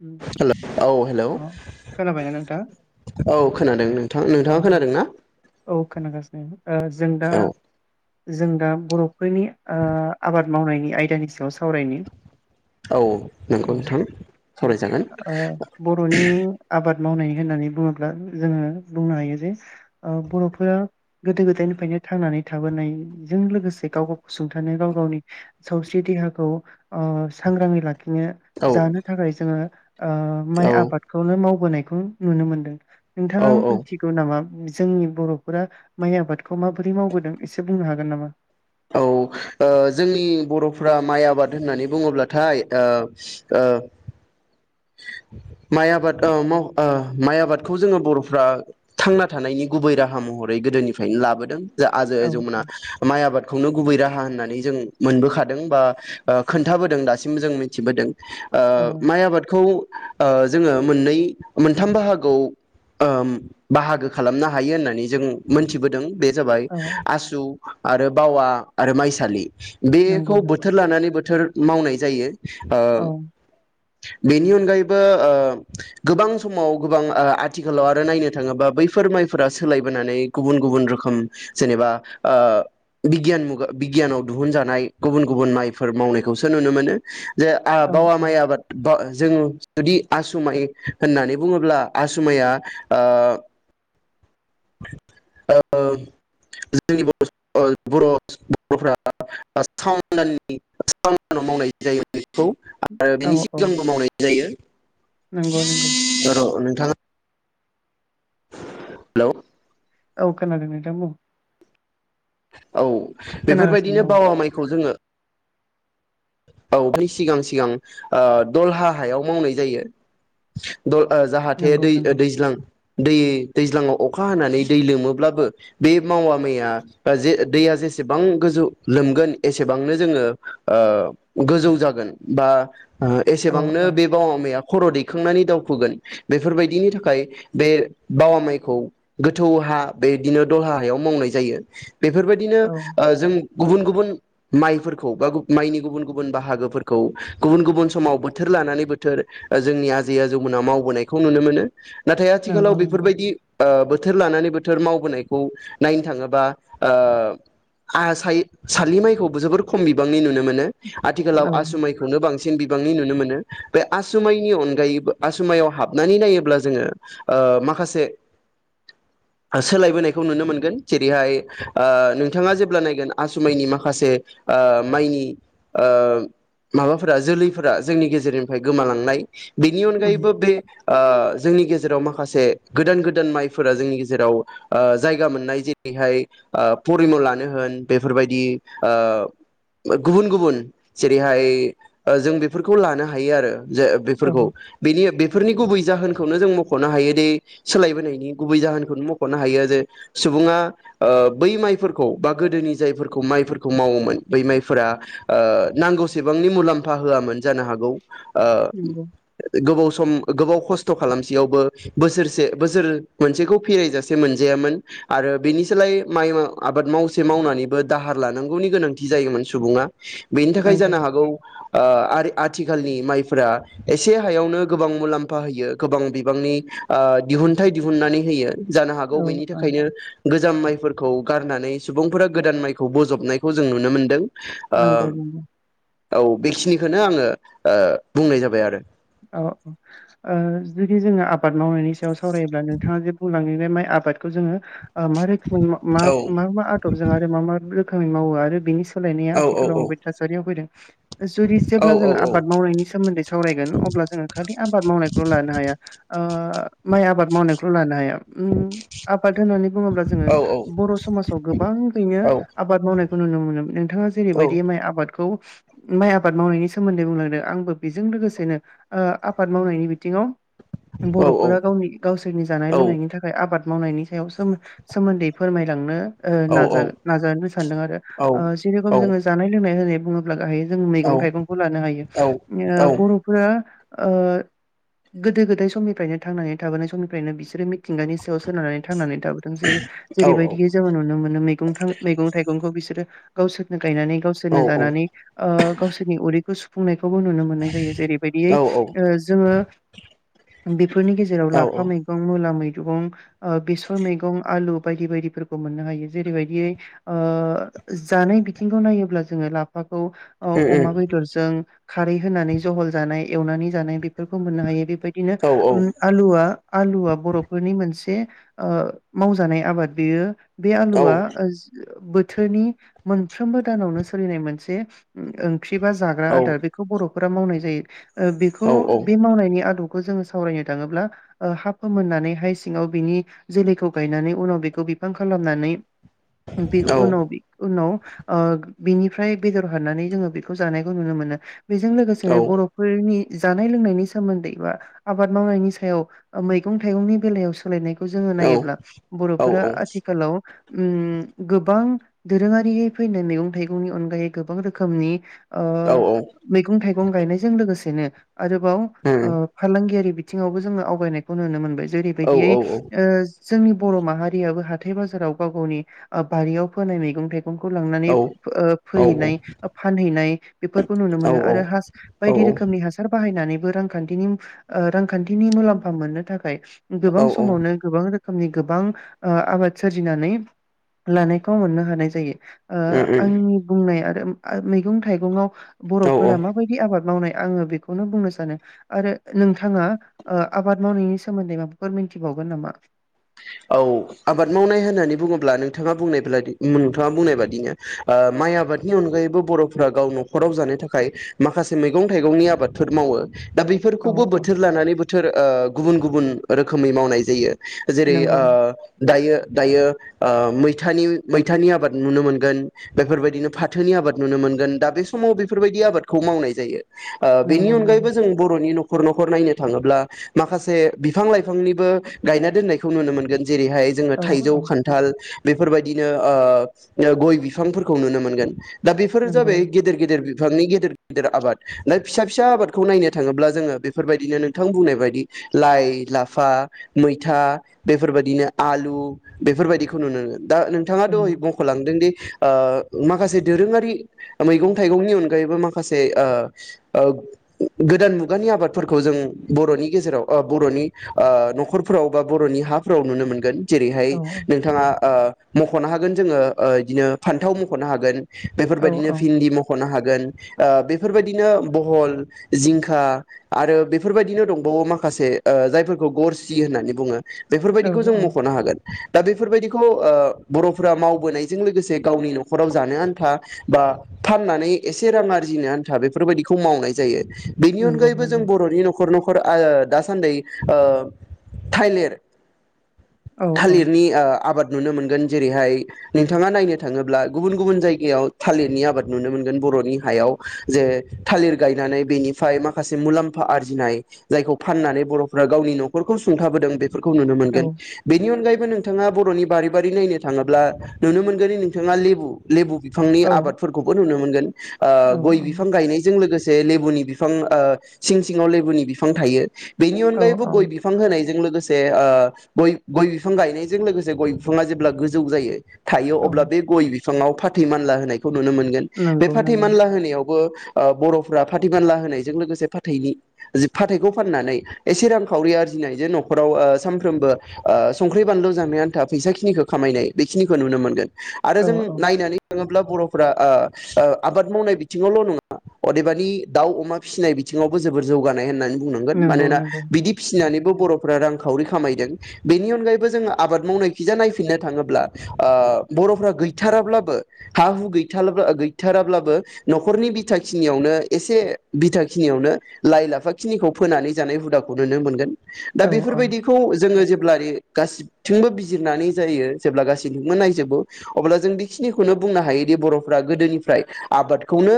उम। हेल' औ हेलौ अ खोनाबायना नोंथां औ खोनादों नोंथां। नोंथाङा खोनादों ना? उम। ओ जों दा औ जों दा बर'फोरनि ओ आबाद मावनायनि आयदानि सायाव सावरायनो औ नंगौ उम नोंथां उम सावरायजागोन ओ बर'नि आबाद मावनाय होननानै बुङोब्ला जोङो बुंनो हायो जे ओ बर'फोरा गोदो गोदायनिफ्रायनो थांनानै थाबोनायजों लोगोसे गाव गावखौ सुंथानो गाव गावनि सावस्रि देहाखौ ओ सांग्राङै लाखि नो औ जानो थाखाय जोङो ओ माइ औ आबादखौनो माव बोनायखौ नुनो मोनदों। औ नोंथाङा औ नामा जोंनि बर'फोरा माइ आबादखौ माबोरै मावबोदों एसे बुंनो हागोन नामा? औ ओ जोंनि बर'फ्रा माइ आबाद होननानै बुङोब्लाथाय ओ ओ माइ आबाद ओ माव ओ माइ आबादखौ जोङो बर'फ्रा थांना थानायनि गुबै राहा महरै गोदोनिफ्रायनो लाबोदों। जा आजै औ आजौमोना औ माइ आबाद खौनो गुबै राहा होननानै जों मोनबोखादों बा ओ खोन्थाबोदों दासिमबो जों मिथिबोदों। ओ औ माइ आबाद खौ ओ जोङो मोननै मोनथाम बाहागोआव ओ बाहागो खालामनो हायो होननानै जों मोनथिबोदों। बे जाबाय औ आसु आरो बावा आरो माइसालि। नंगौ बेखौ नंगौ बोथोर लानानै बोथोर मावनाय जायो ओ औ बेनि अनगायैबो ओ गोबां समाव गोबां ओ आथिखालाव आरो नायनो थाङोबा बैफोर माइफोरा सोलायबोनानै गुबुन गुबुन रोखोम जेनेबा ओ बिगियान मुगा बिगियानाव दिहुनजानाय गुबुन गुबुन माइफोर मावनायखौसो नुनो मोनो। जे आं औ बावा औ माइ आबाद बा ज जुदि आसु माइ होननानै बुङोब्ला आसु माया ओ ओ जोंनि बर'फोरा बर' सुबुंफोरा सावन दाननि सावन दानाव मावनाय जायो बिखौ। आरो औ बेनि औ सिगांबो मावनाय नंगौ नंगौ [unintelligible] औ नोंथाङा हेल'। औ खोनादों नोंथां बुं। औ बेफोरबायदिनो खोनागासिनो औ बावा माइखौ जोङो औ सिगां सिगां ओ दलहा हायाव मावनाय जायो। दल ओ जाहाथे नंगौ दै नंगौ दै-दैज्लां दै दैज्लाङाव अखा हानानै दै लोमोब्लाबो बे मावा मैया जे दैया जेसेबां गोजौ लोमगोन एसेबांनो जोङो ओ गोजौ जागोन बा ओ औ एसेबांनो औ बे बावामाया खर' दैखांनानै दावफुगोन बेफोरबायदिनि थाखाय बे बावा माइखौ गोथौ हा बेदिनो दल्हा हायाव मावनाय जायो। बेफोरबायदिनो औ ओ जों गुबुन गुबुन माइफोरखौ बा माइनि गुबुन गुबुन बाहागोफोरखौ गुबुन गुबुन समाव बोथोर लानानै बोथोर जोंनि आजै आजौमोना मावबोनायखौ नुनो मोनो नाथाय नंगौ आथिखालाव नंगौ बेफोरबायदि ओ बोथोर लानानै बोथोर मावबोनायखौ नायनो थाङोबा ओ आहा सालि माइखौबो जोबोर खम बिबांनि नुनो मोनो। आथिखालाव औ आसुमायखौनो बां सिन बिबांनि नुनो मोनो। बे आसुमाइनि अनगायैबो आसुमायाव हाबनानै नायोब्ला जोङो ओ माखासे सोलायबोनायखौ नुनो मोनगोन जेरैहाय ओ नोंथाङा जेब्ला नायगोन आसुमाइनि माखासे ओ माइनि ओ माबाफोरा जोलैफोरा जोंनि गेजेरनिफ्राय गोमालांनाय बिनि उम अनगायैबो बे ओ जोंनि गेजेराव माखासे गोदान गोदान माइफोरा जोंनि गेजेराव ओ जायगा मोननाय जेरैहाय ओ परिम' लानो होन बेफोरबायदि ओ गुबुन गुबुन जेरैहाय जों बेफोरखौ लानो हायो आरो जे औ बेफोरखौ बेनि बेफोरनि गुबै जाहोनखौनो जों मख'नो हायो दि सोलायबोनायनि गुबै जाहोनखौनो मख'नो हायो जे सुबुङा ओ बै माइफोरखौ बा गोदोनि जायफोरखौ माइफोरखौ मावोमोन बै माइफोरा ओ नांगौसेबांनि मुलाम्फा होआमोन जानो हागौ ओ नंगौ गोबाव सम गोबाव खस्थ' खालामसेयावबो बोसोरसे बोसोर मोनसेखौ फेरायजासे मोनजायामोन आरो बेनिसोलाय माइ आबाद मावसे मावनानैबो दाहार लानांगौनि गोनांथि जायोमोन सुबुङा। बेनि थाखाय नंगौ जानो हागौ ओ आरो आथिखालनि माइफोरा एसे हायावनो गोबां मुलाम्फा होयो गोबां बिबांनि ओ दिहुनथाइ दिहुननानै होयो जानो हागौ औ बेनि औ थाखायनो गोजाम माइफोर खौ गारनानै सुबुंफोरा गोदान माइखौ बजबनायखौ जों नुनो मोनदों। ओ नंगौ नगौ औ बेखिनिखौनो आङो ओ बुंनाय जाबाय आरो औ औ ओ जुदि जोङो आ बाद मावनायनि सायाव सावायोब्ला नोंथाङा जे बुंलाङो बे माइ आबादखौ जोङो ओ मा रोखोम मा औ मा मा आदबजों आरो मा मा रो खोमनि मावो आरो बेनि औ उम औ सोलायनाया आथिखालाव माबायदि थासारियाव फैदों [inaudible] जुदि जेब्ला जों आबाद मावनायनि सोमोन्दै सावरायगोन अब्ला जोङो खालि आबाद मावनायखौल लानो हाया ओ माइ आबाद मावनायखौल' लानो हाया उम आबाद होननानै बुङोब्ला जोङो बर समाजाव गोबाङैनो आबाद मावनाय खौ नुनो मोनोमोन नोंथाङा जेरैबायदि माइ आबाद खौ माइ आबाद मावनायनि सोमोन्दै बुंलांदों आंबो बेजों लोगोसेनो ओ आबाद मावनायनि बिथिङाव बरफोरा औ गावनि गावसोरनि जानाय लोंनायनि थाखाय आबाद मावनायनि सायाव सोमो सोमोन्दै फोरमायलांनो ओ नाजागो नाजानो सानदों आरो ओ जेरेखम जोङो जानाय लोंनाय होननाय बुङोब्ला गाहायै जों मैगं थाइगंखौ लानो हायो। औ औ उम ओ बर' आ ओ गोदो गोदाय समनिफ्रायनो थांनानै थाबोनाय समनिफ्रायनो बिसोरो मिथिंगानि सायाव सोनारनानै थांनानै थाबोदों जेरै जेरैबायदि जोङो नुनो मोनो मैगं थां मैगं थाइगंखौ बिसोरो गावसोरनो गायनानै औ गावसोरनो जानानै ओ गावसोरनि उदैखौ सु फुंनाय खौबो नुनो मोननाय जायो जेरै बे ओ जोङो बेफोरनि गेजेराव लाफा मैगं मु ला मैगं, ओ बेसर मैगं, आलु बायदि बायदि फोरखौ मोननो हायो जेरैबायदि ओ जानाय बिथिंखौ नायोब्ला जोङो लाफा खौ ओ अमा बेदरजों खारै होनानै जहल जानाय एवनानै जानाय बे फोरखौ मोननो हायो बेबायदिनो ओम आलुआ आलुआ बरफोरनि मोनसे ओ मावजानाय आबाद बेयो बे आलुआ ओज बोथोरनि मोनफ्रोमबो दानावनो सोलिनाय मोनसे ख्रि बा जाग्रा आदार बेखौ बर' फोरा मावनाय जायो [inaudible] ओ बेखौ औ औ उम बे मावनायनि आदब खौ जोङो सावरायनो थाङोब्ला ओ हा फोमोननानै हाइ सिङाव बिनि जोलैखौ गायनानै उनाव बेखौ बिफां खालामनानै बि उनाव बि उनाव ओ बिनिफ्राय बेदर हाननानै जोङो बेखौ जानायखौ नुनो मोनो बेजों लोगोसेनो बर' नि जानाय लोंनायनि सोमोन्दै बा आबाद मावनायनि सायाव मैगं थाइगंनि बेलायाव सोलायनाय खौ जोङो नायोब्ला बर'फोरा आथिखालाव उम गोबां दोरोङारि फैनाय मैगं थाइगंनि अनगायै गोबां रोखोमनि ओ मैगं थाइगं गायनाय गोसेनो आरोबाव ओ फालांगियारि बि थिङावबो जोङो आवगायनायखौ नुनो मोनबाय जेरैबायदियै ओ जोंनि बर' माहारियाबो हाथाय बाजाराव गाव गावनि ओ बारियाव फोनाय मैगं थाइ गंखौ लांनानै ओ फोहैनाय ओ फानहैनाय बेफोरखौ नुनो मोनो आरो हास बायदि रोखोमनि हासार बाहा हायनानैबो रांखान्थिनि ओ रांखान्थिनि मुलाम्फा मोननो थाखाय गोबां उम समावनो गोबां रो खोमनि गोबां आबाद सोरजिनानै लानायखौ मोननो हानाय जायो ओ आंनि बुंनाया आ मैगं थाइगंआव औ औ बर'फोरा माबायदि आबाद मावनाय आङो बेखौनो बुंनो सानो आरो नोंथाङा ओ आबाद मावनायनि सोमोन्दै माबाफोर मिन्थिबावगोन नामा औ आबाद मावनाय होननानै बुङोब्ला नोंथाङा बुंनाय ब्लादि नोंथाङा बुंनाय बादिनो ओ माइ आबादनि अनगायैबो बर'फोरा गाव न'खराव जानो थाखाय माखासे मैगं थाइगंनि आबादफोर मावो दा औ बैफोरखौबो औ बोथोर लानानै बोथोर ओ गुबुन गुबुन रोखोमै मावनाय जायो जेरै नंगौ ओ दायो दायो ओ मैथानि मैथानि आबाद नुनो मोनगोन बेफोरबायदिनो फाथोनि आबाद नुनो मोनगोन दा बे समाव बेफोरबायदि आबादखौ मावनाय जायो ओ बेनि नंगौ नंगौ अनगायैबो जों बर'नि न'ख खर न'खर नायनो थाङोब्ला माखासे बिफां लाइफांनिबो गायना दोननाय खौ नुनो मोनगोन जेरैहाय जोङो औ थाइजौ औ खान्थाल बेफोरबायदिनो ओ गय बिफांफोरखौ नुनो मोनगोन दा बेफोरो नंगौ जाबाय गेदेर गेदेर बि बिफांनि गेदेर गेदेर आबाद ना फिसा फिसा आबादखौ नायनो थाङोब्ला जोङो बेफोरबायदिनो नोंथां बुंनाय बायदि लाइ लाफा मैथा बेफोरबायदिनो आलु बेफोरबायदिखौ नुनोमोन गोन दा नोंथाङा दहय नंगौ बख'लांदों दि ओ माखासे दोरोङारि मैगं थाइगंनि अनगायैबो माखासे ओ ओ गोदान मुगानि आबादफोरखौ जों बर'नि गेजेराव ओ बर'नि ओ न'खरफोराव बा बर'नि हाफोराव नुनो मोनगोन जेरैहाय औ नोंथाङा ओ मख'नो हागोन जोङो ओ इदिनो फान्थाव मख'नो हागोन औ बेफोरबायदिनो भिन्दि मख'नो हागोन [inaudible] ओ बेफोरबायदिनो बहल जिंखा आरो बेफोरबायदिनो दंबावो माखासे ओ जायफोरखौ गरसि होननानै बुङो। औ बेफोरबायदिखौ जों औ मख'नो हागोन। दा बेफोरबायदिखौ ओ बर'फोरा मावबोनायजों लोगोसे गावनि न'खराव जानो आन्था बा फाननानै एसे रां आरजिनो आन्था बेफोरबायदिखौ मावनाय जायो। बेनि नंगौ अनगायैबो जों नंगौ बर'नि न'खर न'खर [inaudible] दासान्दि ओ थाइलेर औ औ थालिरनि ओ आबाद नुनो मोनगोन जेरैहाय नोंथाङा नायनो थाङोब्ला गुबुन गुबुन जायगायाव थालिरनि आबाद नुनो मोन बर'नि हायाव जे थालिर गायनानै बेनिफाय माखासे मुलाम्फा आरजिनाय जायखौ फननानै बर'फोरा गावनि न'खौ सुंथाबोदों [inaudible] नुनो औ मोनगोन बेनि अनगायै नोंथाङा बर'नि बारि बारि नायनो थाङोब्ला नुनो मोनगोन नोंथाङा लेबु लेबु [inaudible] औ [inaudible] आबादफोरखौबो नुनो मोनो ओ गय बिफां गायनायजों लोगोसे जे लेबुनि बिफां ओ सिं सिङाव लेबुनि बिफां थायो बेनि औ अनगायैबो गय बिफां होनायजों लोगोसे जे ओ गय गय बिफां गायनायजों लोगोसे गय बिफाङा जेब्ला गोजौ जायो। थायो औ अब्ला औ बे गय बि फाथै मानला होनाय खौ नुनो मोनगोन बे नंगौ फाथै नंगौ मानला होनायाव ओ बर'फ्रा फाथिमानला होनायजों लोगोसे फथैनि जि फाथैखौ फाननानै एसे रांखावरि आरजिनायजों न'ख ओ सामफ्रोमबो ओ संख्रि बानलु जानो आन्था फैसा खिनिखौ खामायनाय बेखिनिखौ नुनो मोनगोन। आरो औ जों औ नायनानै बर'फोरा ओ बुंनांगोन नंगौ मानोना नंगौ बिदि फिसिनानै बर' रांखावरि खामायदों बेनि अनगायैबो जोंङो आबाद मावनायखिजा नायफिननो ओ थाङोब्ला बरफ्रा गैथाराब्लाबो हा हु गैथार गैथाराब्लाबो नखरनि बिथा खिनियावनो एसे बिथा खिनियावनो लाइ लाफा खिनिखौ फोनानै जानाय हुदाखौ नुनो मोनगोन। दा औ औ बेफोरबायदिखौ जोंङो जे जेब्ला गासिथिंबो बिजिरनानै जायो जेब्ला गासैथिंबो नायजोबो अब्ला जों बेखिनिखौनो बुंनो हायोदि बरफ्रा गोदोनिफ्राय आबादखौनो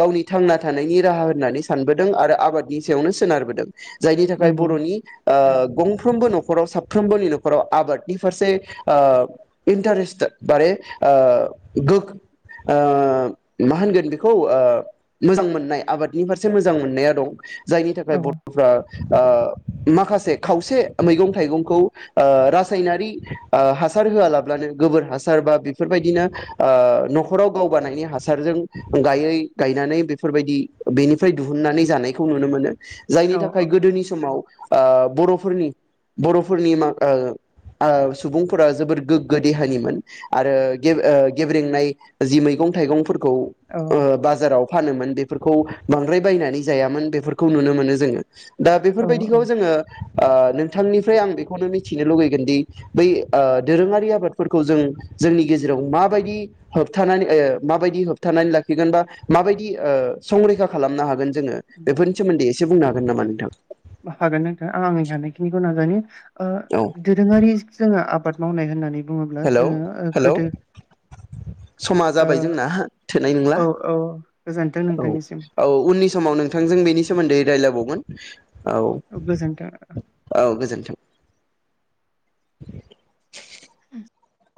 गावनि थांना थानायनि राहा होननानै सानबोदों आरो आबादनि सायावनो सोनारबोदों। जायनि थाखाय नंगौ बर'नि ओ गंफ्रोमबो नखराव साफ्रोमबोनि नखराव आबादनि फारसे ओ इन्टारेस्टे मारे ओ गो ओ मा होनगोन ओ बेखौ मोजां मोननाय आबादनि फारसे मोजां मोननाया दं। जायनि थाखाय औ बर 'फ्रा औ माखासे माखासे खावसे मैगंथाइगंखौ ओ रासायनारि ओ हासार होआलाब्लानो गोबोर हासार बा बेफोरबायदिनो ओ नखराव गावबानायनाय हासारजों गायै गायनानै बेफोरबायदि बेनिफ्राय दिहुननानै जानायखौ नुनो मोनो। औ जायनि औ थाखाय गोदोनि समाव ओ बरफोरनि बरफोरनि मा ओ ओ सुबुंफोरा जोबोद गोग्गो देहानिमोन आरो गेब्रेंनाय जि मैगं थाइगं। खौ ओ औ बाजाराव फानोमोन बेफोरखौ बांद्राय बायनानै जायामोन बेफोरखौ नुनो मोनो जोंङो। दा औ बेफोरबायदिखौ औ जोंङो। ओ नोंथांनिफ्राय आं बेखौनो मिथिनो लुुबैगोनदि बै ओ दोरोङारि आबादफोरखौ जों जोंनि गेजेराव माबायदि होबथानानै ओ माबायदि होबथानानै लाखिगोन बा माबायदि ओ संरैखा खालामनो हागोन। जोंङो बेफोरनि सोमोन्दै। एसे बुंनो हागोन नामा नोंथां? हागोन नोंथां आं आंनि हानायखिनिखौ नाजानि। ओ औ दोरोङारि जोंङो आबाद। मावनाय होननानै बुङोब्ला हेलोव जोङो ओ हेलोव गोदो समा ओ जाबाय जोंना थोनाय नंला, औ औ गोजोनथों औ नोंथांनिसिम औ उननि समाव नोंथांजों बेनि सोमोन्दै रायलायबावगोन। औ गोजोनथों औ गोजोनथों। [inaudible] [inaudible]